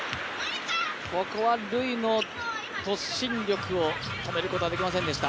ここは、ルイの突進力を止めることはできませんでした。